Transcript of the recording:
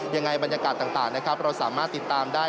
ยังไงบรรยากาศต่างเราสามารถติดตามได้